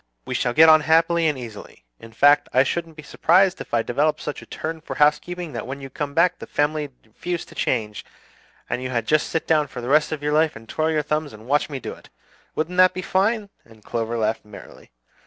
We shall get on happily and easily; in fact, I shouldn't be surprised if I developed such a turn for housekeeping, that when you come back the family refused to change, and you had just to sit for the rest of your life and twirl your thumbs and watch me do it! Wouldn't that be fine?" and Clover laughed merrily.